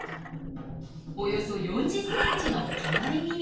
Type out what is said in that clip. およそ４０センチの巨大ミミズ。